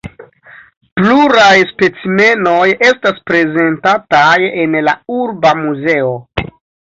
Pluraj specimenoj estas prezentataj en la Urba Muzeo.